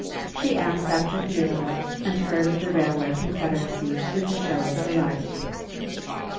She asked after Theodore and heard of the railway confederacy with a shew of delight.